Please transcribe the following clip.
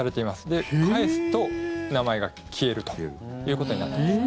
で、返すと名前が消えるということになっています。